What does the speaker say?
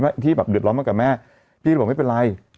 ที่แบบเดือดร้อนมากับแม่พี่เลยบอกไม่เป็นไร